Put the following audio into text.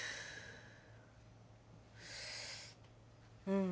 うん。